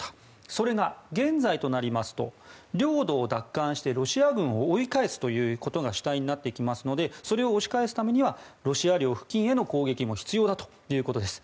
それが、現在となりますと領土を奪還してロシア軍を追い返すことが主体になってくるのでそれを押し返すためにはロシア領付近への攻撃も必要だということです。